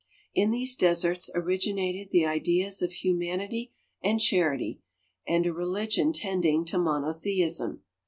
In these deserts originated the ideas of humanity and charity, and a religion tending to monotheism.